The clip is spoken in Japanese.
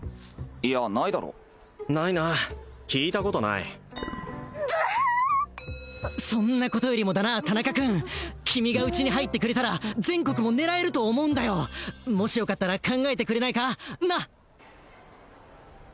・いやないだろないな聞いたことないそんなことよりもだな田中君君がうちに入ってくれたら全国も狙えると思うんだよもしよかったら考えてくれないかなっ！